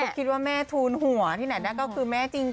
คิดว่าแม่ทูลหัวที่ไหนได้ก็คือแม่จริง